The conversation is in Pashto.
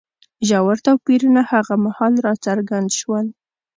ژور توپیرونه هغه مهال راڅرګند شول